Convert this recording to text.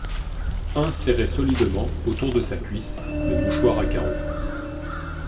Un serrait solidement, autour de sa cuisse, le mouchoir à carreaux.